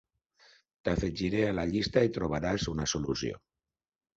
T'afegiré a la llista i trobaràs una solució.